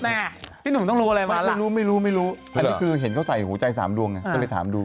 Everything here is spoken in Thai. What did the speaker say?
แน่พี่หนุ่มต้องรู้อะไรมาล่ะอันนี้คือเห็นเขาใส่หัวใจสามดวงต้องไปถามดู